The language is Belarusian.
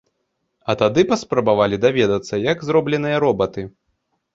А тады паспрабавалі даведацца, як зробленыя робаты.